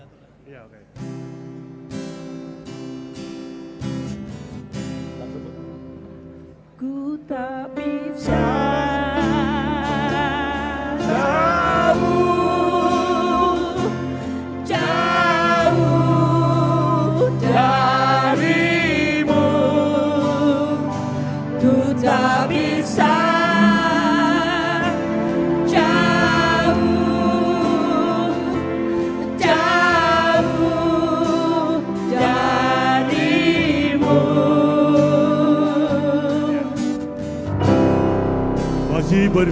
singgalkan kau sendiri